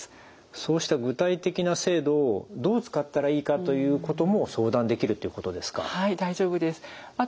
そうした具体的な制度をどう使ったらいいかということも相談できるってことですか？